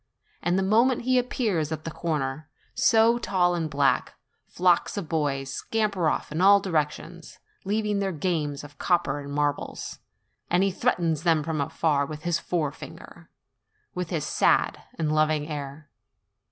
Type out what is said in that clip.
And the moment he ap pears at a corner, so tall and black, flocks of boys scamper off in all directions, leaving their games of coppers and marbles, and he threatens them from afar with his forefinger, with his sad and loving air.